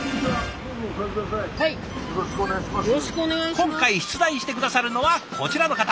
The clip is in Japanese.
今回出題して下さるのはこちらの方。